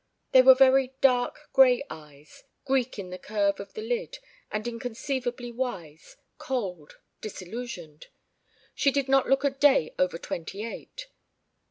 ... They were very dark gray eyes, Greek in the curve of the lid, and inconceivably wise, cold, disillusioned. She did not look a day over twenty eight.